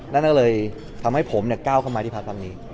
นั่นเลยทำให้ผมเนี่ยก้าวเข้ามาที่พักพรรมนี้